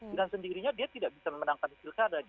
dengan sendirinya dia tidak bisa memenangkan wilkada gitu